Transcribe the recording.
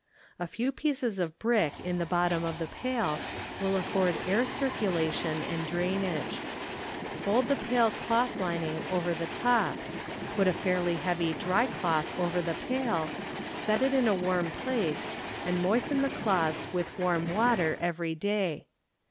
A few pieces of brick in the bottom of the pail will afford air circulation and drain age. Fold the pail cloth lining over the top, put a fairly heavy dry cloth over the pail, set it in a warm place, and moisten the cloths with warm water every day.